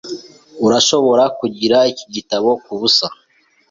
Urashobora kugira iki gitabo kubusa.